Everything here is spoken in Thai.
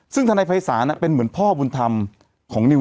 ซึ่งธนายภัยศาลเป็นเหมือนพ่อบุญธรรมของนิว